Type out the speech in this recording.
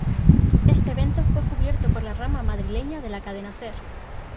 Este evento fue cubierto por la rama madrileña de la Cadena Ser.